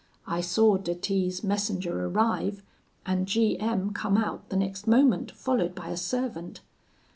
I saw de T 's messenger arrive, and G M come out the next moment, followed by a servant.